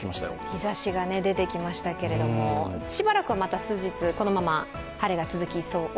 日ざしが出てきましたけれどもしばらくはまた数日このまま晴れが続きそう？